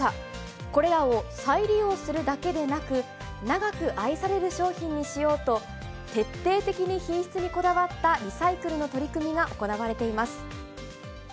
これらを再利用するだけでなく、長く愛される商品にしようと、徹底的に品質にこだわったリサイクルの取り組みが行われています。